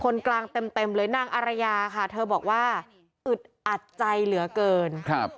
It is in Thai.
คนกลางเต็มเต็มเลยนางอารยาค่ะเธอบอกว่าอึดอัดใจเหลือเกินครับ